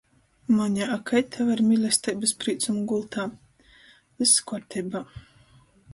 Moņa, a kai tev ar mīlesteibys prīcom gultā? Vyss kuorteibā!